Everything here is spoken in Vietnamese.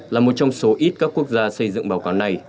là một trong số ít các quốc gia xây dựng báo cáo này